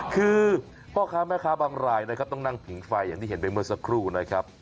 คือพ่อค้าแม่ค้าบางรายนะครับต้องนั่งผิงไฟอย่างที่เห็นไปเมื่อสักครู่นะครับ